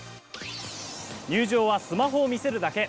入場はスマホを見せるだけ。